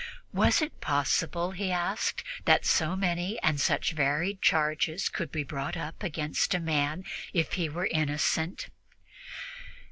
Was it possible, he asked, that so many and such various charges could be brought up against a man if he were innocent?